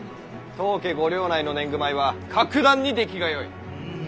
当家ご領内の年貢米は格段に出来がよい。